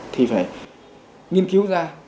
thì phải nghiên cứu ra